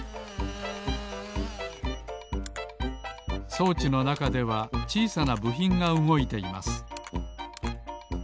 そうちのなかではちいさなぶひんがうごいています。